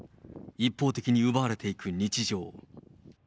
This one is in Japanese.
一方的に奪われていく日常。